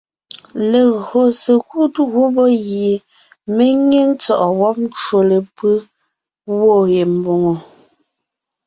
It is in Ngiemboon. Legÿo sekúd gubé gie mé nyé ntsɔ̂ʼɔ wɔ́b ncwò lepʉ́ gwɔ̂ ye mbòŋo,